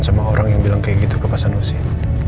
sama orang yang bilang kayak gitu ke pasan usia